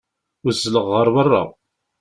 Uzzleɣ ɣer berra.